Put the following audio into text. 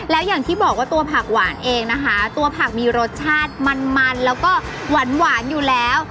แล้วอย่างที่บอกว่าตัวผักหวานเองนะคะตัวผักมีรสชาติมันมันแล้วก็หวานอยู่แล้ว